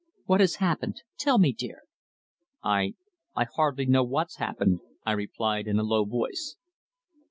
"What has happened? Tell me, dear." "I I hardly know what's happened," I replied in a low voice.